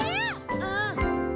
うん！